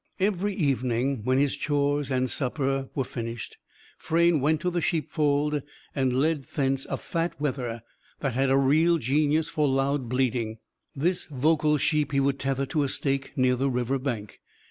Every evening, when his chores and his supper were finished, Frayne went to the sheepfold and led thence a fat wether that had a real genius for loud bleating. This vocal sheep he would tether to a stake near the river bank.